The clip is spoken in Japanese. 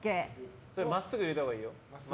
真っすぐ入れたほうがいいよ。